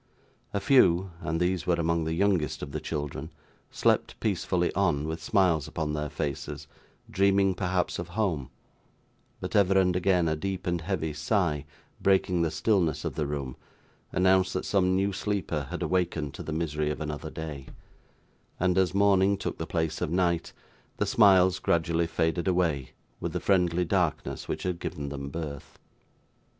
A few and these were among the youngest of the children slept peacefully on, with smiles upon their faces, dreaming perhaps of home; but ever and again a deep and heavy sigh, breaking the stillness of the room, announced that some new sleeper had awakened to the misery of another day; and, as morning took the place of night, the smiles gradually faded away, with the friendly darkness which had given them birth.